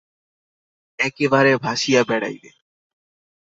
একেবারে ভাসিয়া বেড়াইবে।